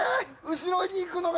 後ろに行くのが。